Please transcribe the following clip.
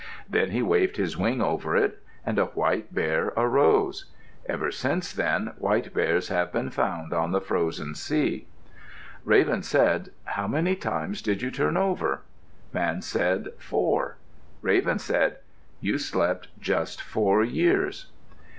Then he waved his wing over it, and a white bear arose. Ever since then white bears have been found on the frozen sea. Raven said, "How many times did you turn over?" Man said, "Four." Raven said, "You slept just four years."